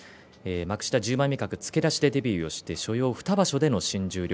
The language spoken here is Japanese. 幕下１０枚目格付け出しでデビューをして所要２場所での新十両。